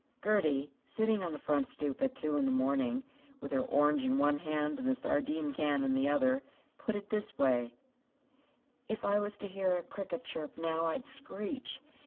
Gertie, sitting on the front stoop at two in the morning, with her orange in one hand and the sardine can in the other, put it this way: "If I was to hear a cricket chirp now, I'd screech.